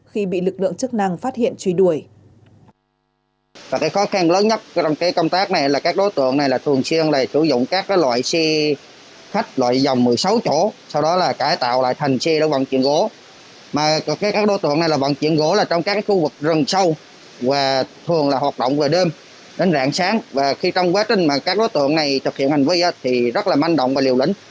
khi bị lực lượng chức năng phát hiện truy đuổi